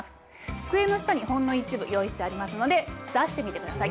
机の下にほんの一部用意してありますので出してみてください。